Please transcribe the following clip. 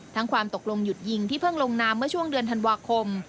ความตกลงหยุดยิงที่เพิ่งลงนามเมื่อช่วงเดือนธันวาคม